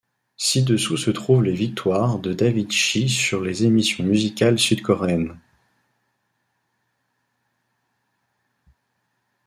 Ci-dessous se trouve les victoires de Davichi sur les émissions musicales sud-coréennes.